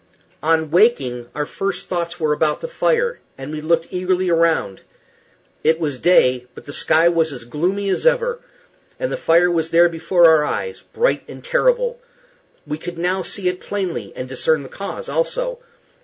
On waking our first thoughts were about the fire, and we looked eagerly around. It was day, but the sky was as gloomy as ever, and the fire was there before our eyes, bright and terrible. We could now see it plainly, and discern the cause also.